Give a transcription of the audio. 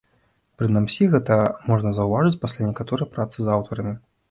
Прынамсі гэта можна заўважыць пасля некаторай працы з аўтарамі.